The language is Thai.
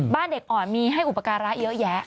บ้านเด็กอ่อนมีให้อุปการะเยอะแยะ